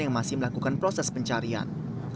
yang masih melakukan proses pencarian